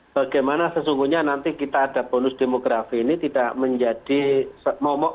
bagaimana sesungguhnya nanti kita ada bonus demografi ini tidak menjadi momok